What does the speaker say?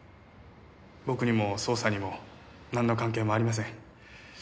僕にも捜査にもなんの関係もありません。